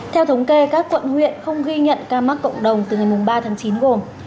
theo thống kê các quận huyện không ghi nhận ca mắc cộng đồng từ ngày ba tháng chín gồm